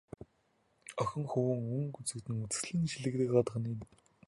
Охин хөвүүн өнгө үзэгдэн, үзэсгэлэн шилэгдэн одох нь энэ.